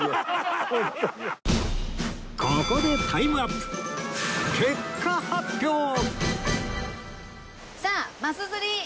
ここでタイムアップ結果発表！さあマス釣り。